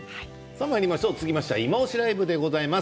続きましては「いまオシ！ＬＩＶＥ」でございます。